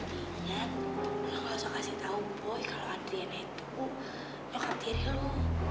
nih niat lo gak usah kasih tau boy kalau adriana itu nyokap diri lo